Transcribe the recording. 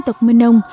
tộc mưa nông